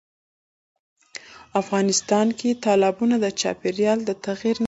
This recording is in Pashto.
افغانستان کې تالابونه د چاپېریال د تغیر نښه ده.